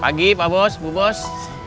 pagi pak bos bu bos